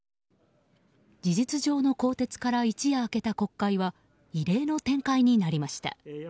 事実上の更迭から一夜明けた国会は異例の展開になりました。